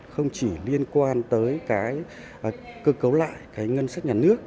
không chỉ liên quan tới cái cơ cấu lại cái ngân sách nhà nước